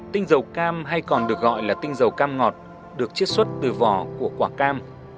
tinh dầu cam hay còn được gọi là tinh dầu cam ngọt được chiết xuất từ vỏ của quả cam